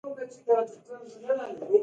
لاندې دَاخون بابا دَنثر يوه نمونه پېش کوم